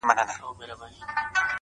• پرون دي بيا راته غمونه راكړل،